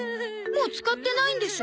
もう使ってないんでしょ？